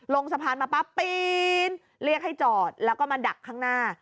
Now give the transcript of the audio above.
ลงสะพานมาปั๊บปีนเรียกให้จอดแล้วก็มาดักข้างหน้า